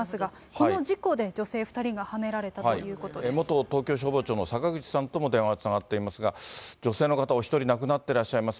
この事故で女性２人がはねられた元東京消防庁の坂口さんとも電話がつながっていますが、女性の方、お１人亡くなっていらっしゃいます。